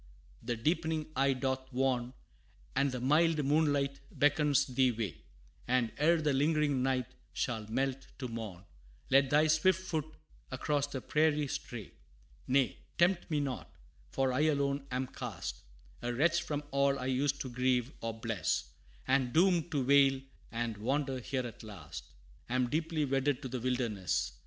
The deepening eve doth warn, And the mild moonlight beckons thee away; And, ere the lingering night shall melt to morn, Let thy swift foot across the prairie stray. Nay, tempt me not! for I alone am cast, A wretch from all I used to grieve or bless; And doomed to wail and wander here at last, Am deeply wedded to the wilderness.